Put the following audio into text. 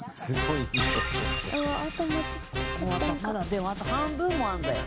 でもあと半分もあるんだよ。